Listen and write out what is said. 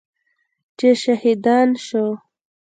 چې شهیدان شو.